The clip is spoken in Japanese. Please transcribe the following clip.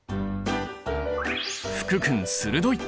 福君鋭い！